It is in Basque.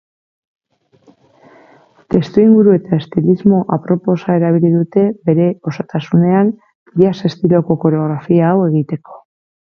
Testuinguru eta estilismo aproposa erabili dute bere osotasunean jazz estiloko koreografia hau egiteko.